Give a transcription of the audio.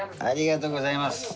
ありがとうございます。